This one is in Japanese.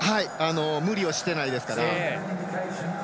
無理をしていないですから。